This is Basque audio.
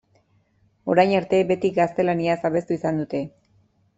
Orain arte beti gaztelaniaz abestu izan dute.